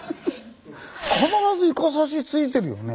必ずイカ刺しついてるよね。